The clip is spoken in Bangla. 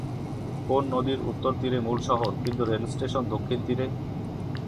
কোন নদীর উত্তর তীরে মূল শহর কিন্তু রেলস্টেশন দক্ষিণ তীরে?